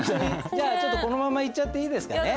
じゃあこのままいっちゃっていいですかね。